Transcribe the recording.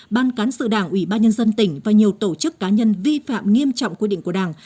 ban cán sự đảng ủy ban nhân dân tỉnh và nhiều tổ chức cá nhân vi phạm nghiêm trọng quy định của đảng